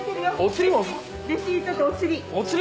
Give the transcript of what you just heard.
レシートとおつり。